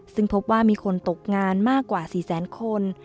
ซึ่งพบว่ามีคนตกงานมากกว่า๔แสนคน